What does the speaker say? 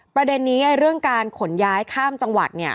ประเด็นนี้เรื่องการขนย้ายข้ามจังหวัด